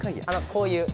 こういう。